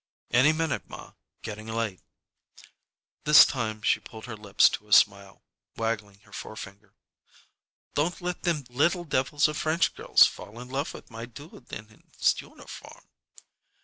"Any minute, ma. Getting late." This time she pulled her lips to a smile, waggling her forefinger. "Don't let them little devils of French girls fall in love with my dude in his uniform."